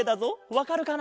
わかるかな？